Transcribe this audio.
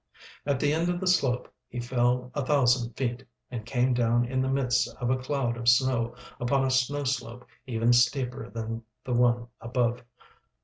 At the end of the slope he fell a thousand feet, and came down in the midst of a cloud of snow upon a snow slope even steeper than the one above.